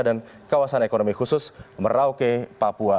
dan kawasan ekonomi khusus merauke papua